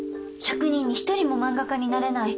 １００人に１人も漫画家になれない。